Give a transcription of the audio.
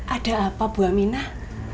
ada apa bu aminah